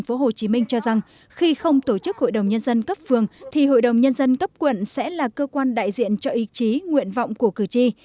nguyễn thị quyết tâm cho rằng khi không tổ chức hội đồng nhân dân cấp phường thì hội đồng nhân dân cấp quận sẽ là cơ quan đại diện cho ý chí nguyện vọng của cử tri